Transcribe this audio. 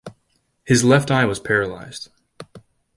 His left eye was paralyzed.